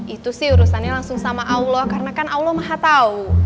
itu sih urusannya langsung sama allah karena kan allah maha tahu